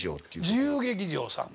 自由劇場さん。